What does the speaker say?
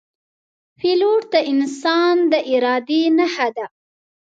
پیلوټ د انسان د ارادې نښه ده.